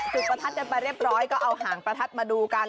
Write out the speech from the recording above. ประทัดกันไปเรียบร้อยก็เอาหางประทัดมาดูกัน